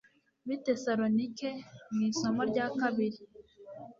b'i tesalonike mu isomo rya kabiri